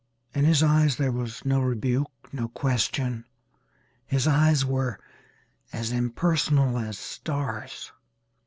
In his eyes there was no rebuke, no question. His eyes were as impersonal as stars.